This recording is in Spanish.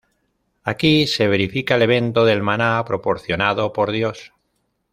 Aquí se verifica el evento del maná proporcionado por Dios.